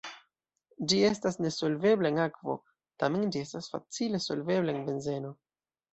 Ĝi estas nesolvebla en akvo, tamen ĝi estas facile solvebla en benzeno.